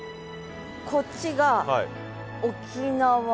こっちが沖縄？